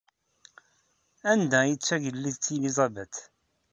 Anda ay d Tagellidt Elizabeth?